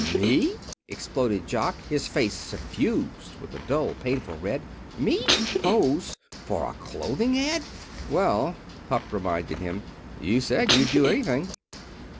"Me!" exploded Jock, his face suffused with a dull, painful red. "Me! Pose! For a clothing ad!" "Well," Hupp reminded him, "you said you'd do anything."